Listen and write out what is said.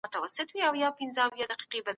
هغه کتاب چي ما لوستی ډیر خوندور دی.